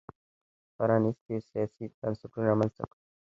پرانیستي سیاسي بنسټونه رامنځته کړل.